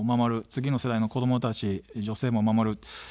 次の世代の子どもたち、女性も守る。